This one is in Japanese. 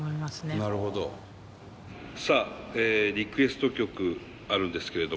なるほどさあリクエスト曲あるんですけれども。